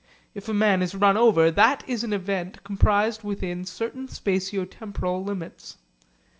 If a man is run over, that is an event comprised within certain spatio temporal limits.